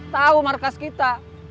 tau markas kita